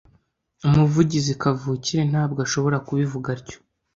Umuvugizi kavukire ntabwo ashobora kubivuga atyo.